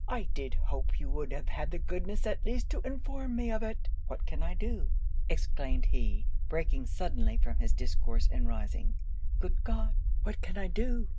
I did hope you would have had the goodness at least to inform me of it. What can I do?' exclaimed he, breaking suddenly from his discourse and rising 'Good God, what can I do?'